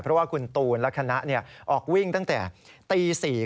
เพราะว่าคุณตูนและคณะออกวิ่งตั้งแต่ตี๔